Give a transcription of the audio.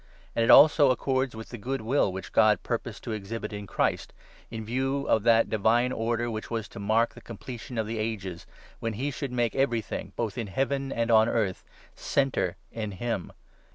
And it also accords with the good will which God purposed to exhibit in Christ, in 10 view of that Divine Order which was to mark the com pletion of the ages, when he should make everything, both in Heaven and on earth, centre in him.